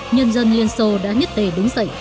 nhân dân liên xô đã nhất tề đứng dậy